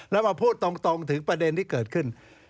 แล้วมาพูดตรงถึงประเด็นที่เกิดขึ้น